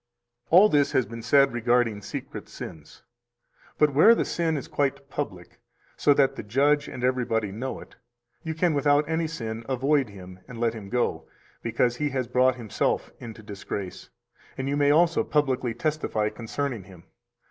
284 All this has been said regarding secret sins. But where the sin is quite public so that the judge and everybody know it, you can without any sin avoid him and let him go, because he has brought himself into disgrace, and you may also publicly testify concerning him.